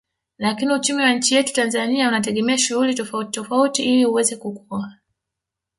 Lakini uchumi wa nchi yetu Tanzania unategemea shughuli tofauti tofauti ili uweze kukua